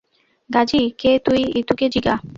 গাজি কে তুই ইতুকে জিগা।